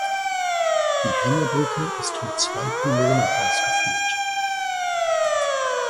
Die Hängebrücke ist mit zwei Pylonen ausgeführt.